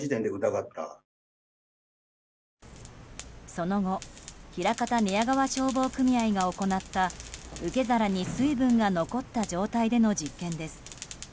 その後枚方寝屋川消防組合が行った受け皿に水分が残った状態での実験です。